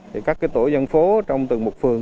thì các tổ dân phố trong từng một phường